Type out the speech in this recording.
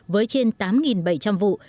với trên tám bảy trăm linh vụ